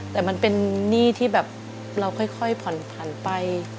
แต่มันเป็นหนี้ที่แบบเราค่อยผ่อนผันไป